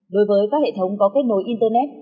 đối với các hệ thống có kết nối internet